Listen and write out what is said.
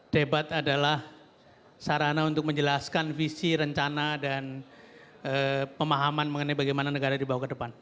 debat adalah sarana untuk menjelaskan visi rencana dan pemahaman mengenai bagaimana negara dibawa ke depan